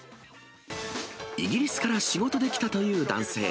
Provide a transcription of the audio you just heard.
イギリスから仕事で来たという男性。